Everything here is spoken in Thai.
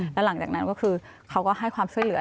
แล้วหลังจากนั้นก็คือเขาก็ให้ความช่วยเหลือ